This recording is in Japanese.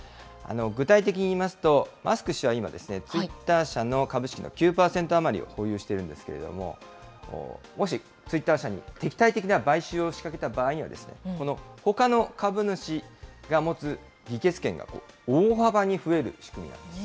具体的に言いますと、マスク氏は今、ツイッター社の株式の９％余りを保有しているんですけれども、もしツイッター社に敵対的な買収を仕掛けた場合には、この、ほかの株主が持つ議決権が大幅に増える仕組みなんです。